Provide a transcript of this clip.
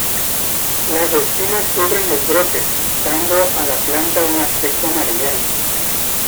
Las espinas cubren los brotes, dando a la planta un aspecto amarillento.